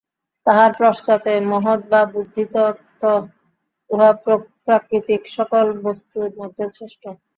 তাহার পশ্চাতে মহৎ বা বুদ্ধিতত্ত্ব, উহা প্রাকৃতিক সকল বস্তুর মধ্যে শ্রেষ্ঠ।